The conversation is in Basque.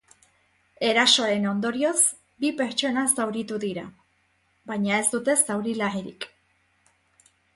Erasoaren ondorioz, bi pertsona zauritu dira, baina ez dute zauri larririk.